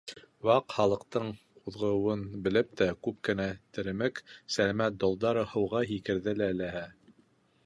Ваҡ Халыҡтың ҡуҙғыуын белеп тә күп кенә теремек, сәләмәт долдар һыуға һикерҙе ләһә.